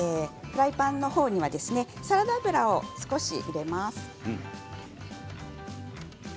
フライパンのほうにはサラダ油を少し入れます。